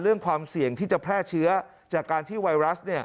ความเสี่ยงที่จะแพร่เชื้อจากการที่ไวรัส